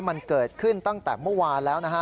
มันเกิดขึ้นตั้งแต่เมื่อวานแล้วนะฮะ